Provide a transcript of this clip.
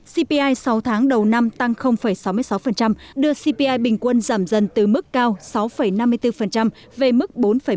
cpi sáu tháng đầu năm tăng sáu mươi sáu đưa cpi bình quân giảm dần từ mức cao sáu năm mươi bốn về mức bốn một mươi